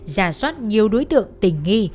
giả soát nhiều đối tượng tỉnh nghi